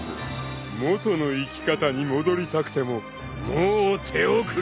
［元の生き方に戻りたくてももう手遅れ］